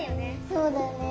そうだよね。